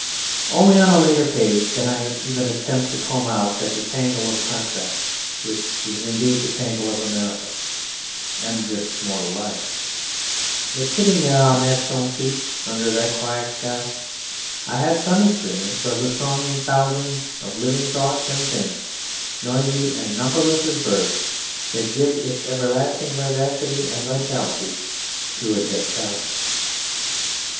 Only on a later page can I even attempt to comb out such a tangle of contrasts, which is indeed the tangle of America and this mortal life; but sitting there on that stone seat under that quiet sky, I had some experience of the thronging thousands of living thoughts and things, noisy and numberless as birds, that give its everlasting vivacity and vitality to a dead town.